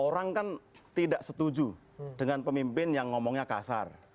orang kan tidak setuju dengan pemimpin yang ngomongnya kasar